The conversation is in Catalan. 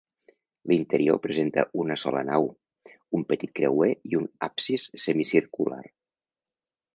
L'interior presenta una sola nau, un petit creuer i un absis semicircular.